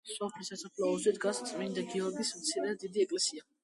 სოფლის სასაფლაოზე დგას წმინდა გიორგის მცირე და დიდი ეკლესიები.